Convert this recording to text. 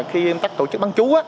khi công tác tổ chức bán chú